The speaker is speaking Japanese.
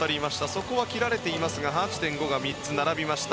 そこは切られていますが８．５が３つ並びました。